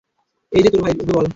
এইযে তোর ভাই, ওকে বল।